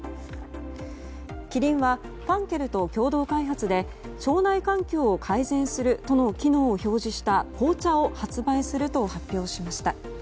キリンはファンケルと共同開発で腸内環境を改善するとの機能を表示した紅茶を発売すると発表しました。